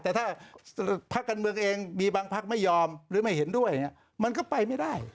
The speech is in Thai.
แต่ถ้าพักกันเมืองเองมีบางพักไม่ยอมหรือไม่เห็นด้วยมันก็ไปไม่ได้